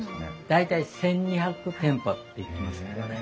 大体１，２００店舗っていってますけどね。